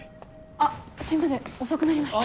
あっすいません遅くなりました。